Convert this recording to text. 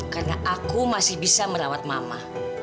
karena aku masih bisa merawat mama